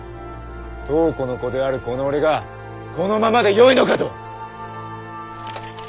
東湖の子であるこの俺がこのままでよいのかと！